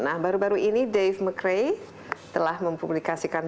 nah baru baru ini dave mcray telah mempublikasikan